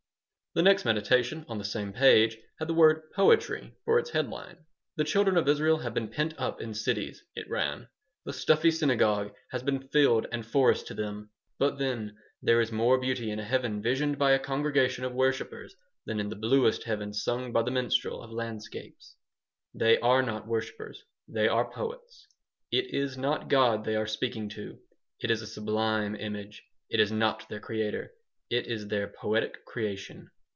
The next "meditation," on the same page, had the word "Poetry" for its head line "The children of Israel have been pent up in cities," it ran. "The stuffy synagogue has been field and forest to them. But then there is more beauty in a heaven visioned by a congregation of worshipers than in the bluest heaven sung by the minstrel of landscapes. They are not worshipers. They are poets. It is not God they are speaking to. It is a sublime image. It is not their Creator. It is their poetic creation."